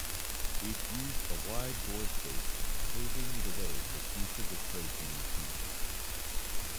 It used a wider bore spacing, paving the way for future displacement increases.